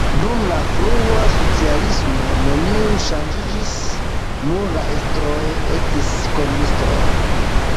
Dum la frua socialismo neniu ŝanĝiĝis, mur la estroj estis komunistoj.